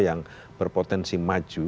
yang berpotensi maju